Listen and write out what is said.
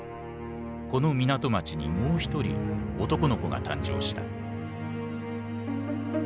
この港町にもう一人男の子が誕生した。